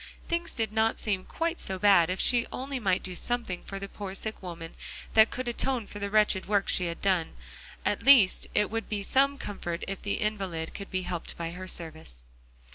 Things did not seem quite so bad if she only might do something for the poor sick woman that could atone for the wretched work she had done; at least it would be some comfort if the invalid could be helped by her service.